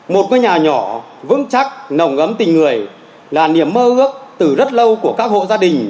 một cái nhà nhỏ vững chắc nồng ấm tình người là niềm mơ ước từ rất lâu của các hộ gia đình